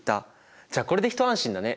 じゃあこれで一安心だね。